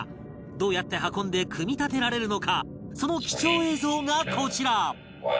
どうやって運んで組み立てられるのかその貴重映像がこちら